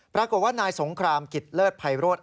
ปรากฏว่านายสงครามกิจเลิศภัยโรธ